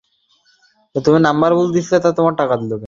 তিনি এখন তাঁর শোবার ঘরে ঢুকে যাবেন।